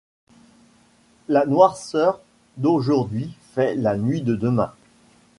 La noirceur d’aujourd’hui fait la nuit de demain.